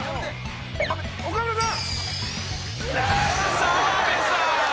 岡村さん